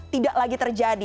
tidak lagi terjadi